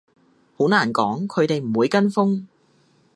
好難講，佢哋唔會跟風